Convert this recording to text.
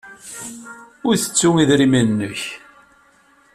Ur ttettu idrimen-nnek.